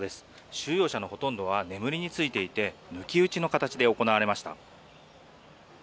収容者のほとんどは眠りについていて抜き打ちの形で行われました。